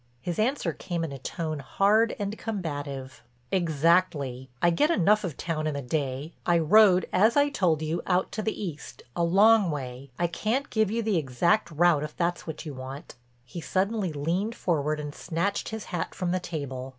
His answer came in a tone hard and combative: "Exactly. I get enough of town in the day. I rode, as I told you, out to the east, a long way—I can't give you the exact route if that's what you want." He suddenly leaned forward and snatched his hat from the table.